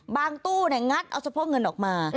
บางตู้เนี่ยงัดเอาสะพ่อเงินออกมา